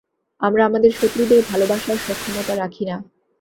আমরা আমাদের শত্রুদের ভালবাসার সক্ষমতা রাখি না।